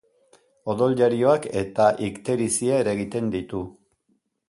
Odoljarioak eta ikterizia eragiten ditu.